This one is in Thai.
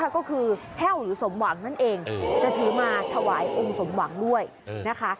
ก็คือแห้วหรือสมหวังนั่นเองจะถือมาถวายองค์สมหวังด้วยนะคะ